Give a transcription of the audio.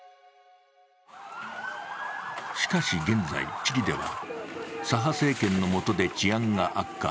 しかし現在、チリでは左派政権のもとで治安が悪化。